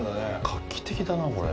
画期的だな、これ。